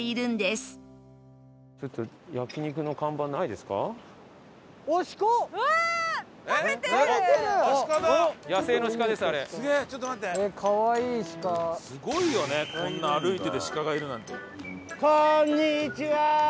すごいよねこんな歩いてて鹿がいるなんて。